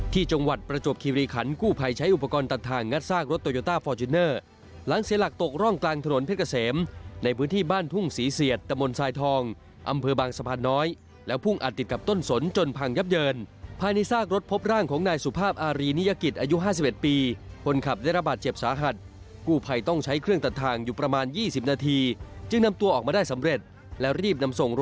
ที่จังหวัดประจวบคีวีคันกู้ภัยใช้อุปกรณ์ตัดทางงัดซากรถโตยอต้าฟอร์จินเนอร์หลังเสลหลักตกร่องกลางถนนเพชรเกษมในพื้นที่บ้านทุ่งสีเสียดตะมนต์ทรายทองอำเภอบางสะพานน้อยแล้วพุ่งอัดติดกับต้นสนจนพังยับเยินภายในซากรถพบร่างของนายสุภาพอารีนิยะกิจอายุห้าสิบเอ็ดปี